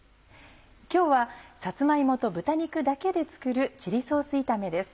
今日はさつま芋と豚肉だけで作るチリソース炒めです。